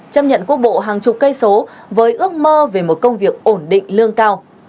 chấp nhận quốc bộ hàng chục cây số với ước mơ về một công việc ổn định lương cao